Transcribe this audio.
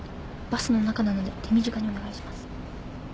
バスの中なので手短にお願いします。